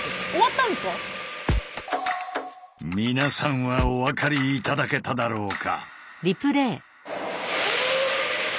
皆さんはお分かり頂けただろうか？